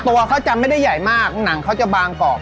ตัวเขาจะไม่ได้ใหญ่มากหนังเขาจะบางกอก